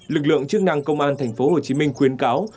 lực lượng chức năng công an tp hcm khuyến cáo